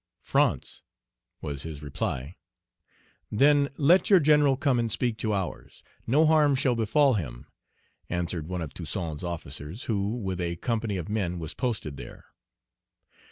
"France," was his reply. "Then let your general come and speak to ours, no harm shall befall him," answered one of Toussaint's officers, who, with a company of men, was posted there.